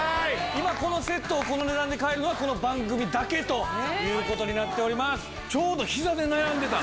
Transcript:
今このセットをこの値段で買えるのはこの番組だけという事になっております。